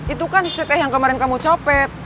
itu kan si teteh yang kemarin kamu copet